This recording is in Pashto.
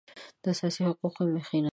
د اساسي حقوقو مخینه